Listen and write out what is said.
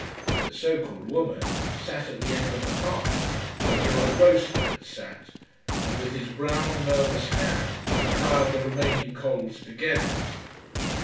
The so called woman sat at the end of the hearth, where the old roaster had sat, and with his brown, nervous hand piled the remaining coals together.